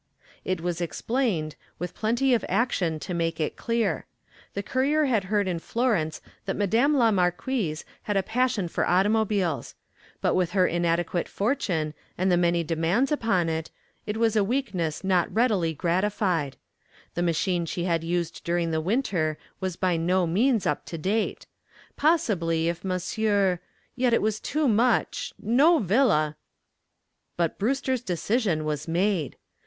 It was explained, with plenty of action to make it clear. The courier had heard in Florence that madame la marquise had a passion for automobiles. But with her inadequate fortune and the many demands upon it, it was a weakness not readily gratified. The machine she had used during the winter was by no means up to date. Possibly if Monsieur yet it was too much no villa But Brewster's decision was made.